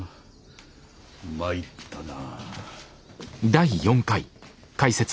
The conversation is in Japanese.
参ったな。